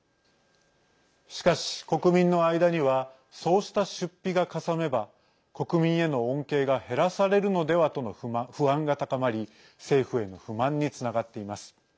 しかし、国民の間にはそうした出費がかさめば国民への恩恵が減らされるのではとの不安が高まり政府への不満につながっています。